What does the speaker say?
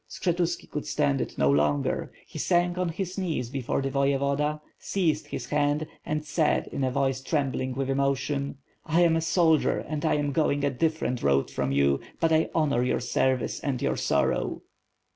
Skshetuski could stand it no longer, he sank on his knees before the Voyevoda, seized his hand and said, in a voice trembling with emotion: "I am a soldier, and am going a different road from you, but I honor your service and your sorrow."